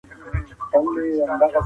پګړۍ د نارینهوو د کلتور برخه ده.